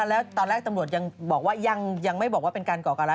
แล้วตอนแรกตำรวจยังบอกว่ายังไม่บอกว่าเป็นการก่อการร้าย